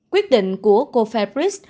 quyết định của coferis